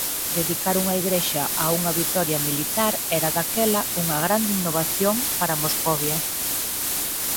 Dedicar unha igrexa a unha vitoria militar era daquela "unha grande innovación" para Moscovia.